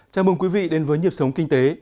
chào mừng quý vị đến với nhịp sống kinh tế